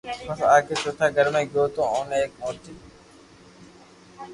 پسو آگي چوٿا گھر ۾ گيو تو اوني ايڪ موٺي